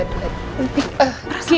aduh bentar ya